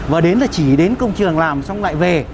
và đến là chỉ đến công trường làm xong lại về